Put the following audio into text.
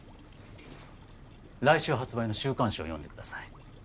来週発売の週刊誌を読んでください。